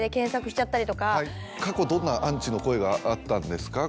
過去どんなアンチの声があったんですか？